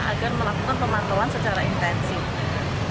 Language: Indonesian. agar melakukan pemantauan secara intensif